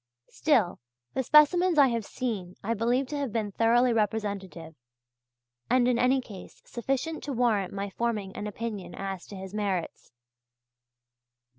Still the specimens I have seen I believe to have been thoroughly representative, and in any case sufficient to warrant my forming an opinion as to his merits.